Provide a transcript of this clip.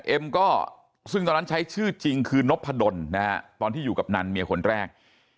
เอ็มก็ซึ่งตอนนั้นใช้ชื่อจริงคือนพดลนะฮะตอนที่อยู่กับนันเมียคนแรก